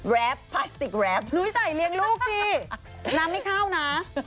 พลาสติกแรปนุ้ยใส่เลี้ยงลูกสิน้ำไม่เข้านะ